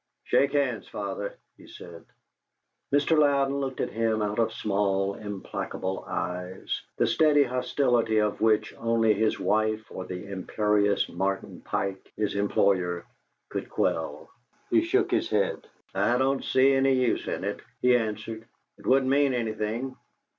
"Shake hands, father," he said. Mr. Louden looked at him out of small implacable eyes, the steady hostility of which only his wife or the imperious Martin Pike, his employer, could quell. He shook his head. "I don't see any use in it," he answered. "It wouldn't mean anything.